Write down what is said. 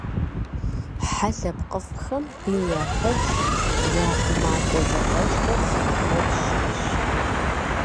Хьэ лъэпкъыфӀхэм къиин яхэтщ, я хъумакӀуэ зэфӀэкӀхэр зыфӀэкӀуэд щыӀэщ.